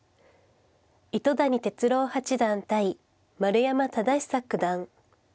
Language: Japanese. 糸谷哲郎八段対丸山忠久九段。